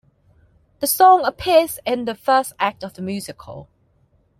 The song appears in the first act of the musical.